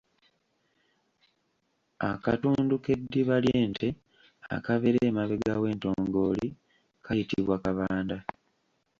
Akatundu k’eddiba ly’ente akabeera emabega w’entongoli kayitibwa kabanda.